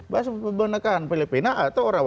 baru itu bisa menekan